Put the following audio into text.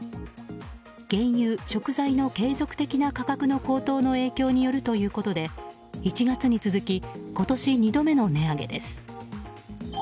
原油食材の継続的な価格の高騰による影響によるということで１月に続き今年２度目の値上げです。